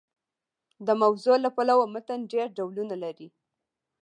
د موضوع له پلوه متن ډېر ډولونه لري.